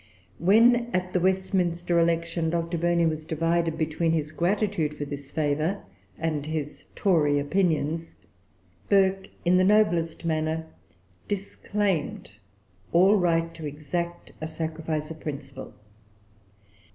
When, at the Westminster election, Dr. Burney was divided between his gratitude for this favor and his Tory opinions, Burke in the noblest manner disclaimed all right to exact a sacrifice of principle.